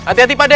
hati hati pak de